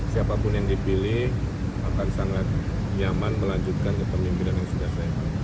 siapapun yang dipilih akan sangat nyaman melanjutkan ke pemimpinan yang sudah saya pilih